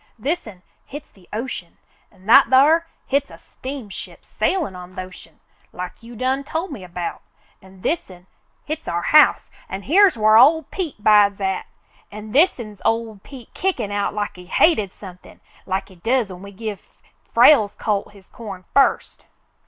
"This'n, hit's the ocean, an' that thar, hit's a steamship sailin' on th' ocean, like you done tol' me about. An' this'n, hit's our house an' here's whar ol' Pete bides at; an' this'n's ol' Pete kickin' out like he hated somethin' like he does when we give Frale's colt his corn first."